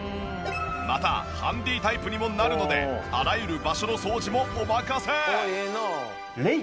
またハンディータイプにもなるのであらゆる場所の掃除もお任せ！